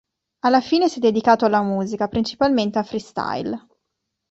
Alla fine si è dedicato alla musica, principalmente al freestyle.